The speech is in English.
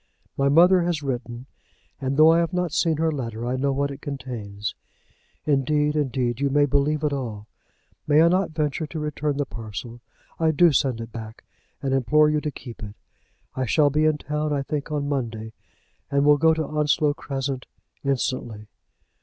My mother has written, and though I have not seen her letter, I know what it contains. Indeed, indeed you may believe it all. May I not venture to return the parcel? I do send it back and implore you to keep it. I shall be in town, I think, on Monday, and will go to Onslow Crescent, instantly.